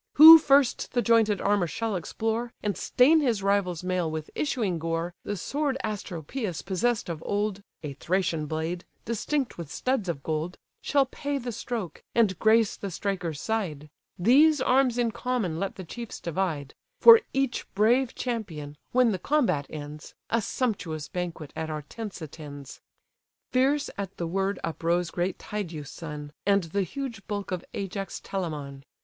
Who first the jointed armour shall explore, And stain his rival's mail with issuing gore, The sword Asteropaeus possess'd of old, (A Thracian blade, distinct with studs of gold,) Shall pay the stroke, and grace the striker's side: These arms in common let the chiefs divide: For each brave champion, when the combat ends, A sumptuous banquet at our tents attends." Fierce at the word uprose great Tydeus' son, And the huge bulk of Ajax Telamon.